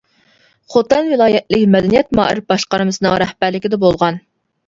خوتەن ۋىلايەتلىك مەدەنىيەت مائارىپ باشقارمىسىنىڭ رەھبەرلىكىدە بولغان.